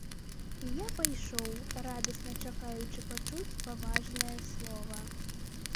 І я пайшоў, радасна чакаючы пачуць паважнае слова.